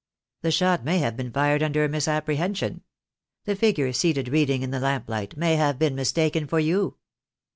"The shot may have been fired under a misapprehen sion. The figure seated reading in the lamplight may have been mistaken for you."